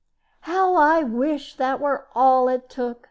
"How I wish that were all it took!